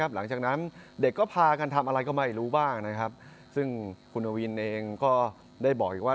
หลังจากนั้นเด็กก็พากันทำอะไรก็ไม่รู้บ้างนะครับซึ่งคุณอวินเองก็ได้บอกอีกว่า